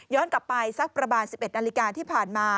กลับไปสักประมาณ๑๑นาฬิกาที่ผ่านมา